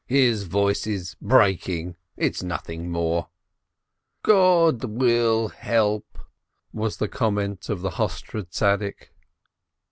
"His voice is breaking — it's nothing more !" "God will help!" was the comment of the Hostre saint.